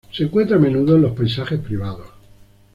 Se encuentra a menudo en los paisajes privados.